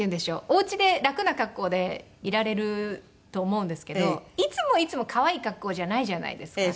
お家で楽な格好でいられると思うんですけどいつもいつも可愛い格好じゃないじゃないですか。